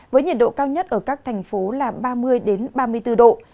với nhiệt độ cao nhất ở các thành phố là ba mươi ba mươi bốn độ